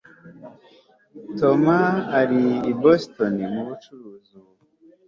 Tom ari i Boston mubucuruzi ubu